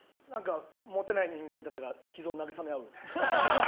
モテない人間たちが傷を慰め合うみたいな。